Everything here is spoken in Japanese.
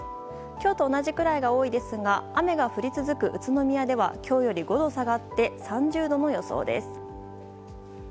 今日と同じくらいのところが多いですが雨が降り続く宇都宮は今日より５度下がって３０度の予想です。